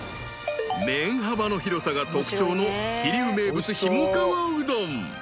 ［麺幅の広さが特徴の桐生名物ひもかわうどん］